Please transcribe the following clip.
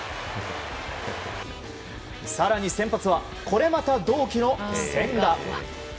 更に先発はこれまた同期の千賀。